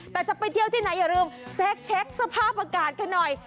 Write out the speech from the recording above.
แต่จะไปเที่ยวที่ไหนอย่าลืมเซ็กเช็คสภาพอากาศกันหน่อย